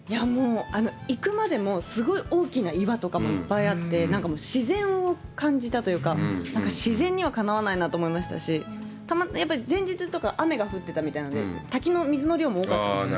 行くまでもすごい大きな岩とかもいっぱいあって、なんか自然を感じたというか、自然にはかなわないなと思いましたし、前日とか雨が降ってたみたいなので滝の水の量も多かったんですね。